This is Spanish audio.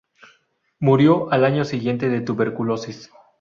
Murió al año siguiente, de tuberculosis.